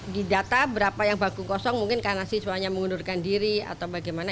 di data berapa yang baku kosong mungkin karena siswanya mengundurkan diri atau bagaimana